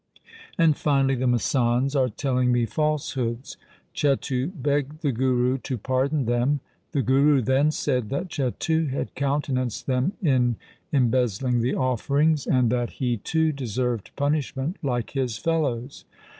And, finally, the masands are telling me falsehoods.' Chetu begged the Guru to pardon them. The Guru then said that Chetu had countenanced them in embezzling the offerings, and that he too deserved punishment like his fellows.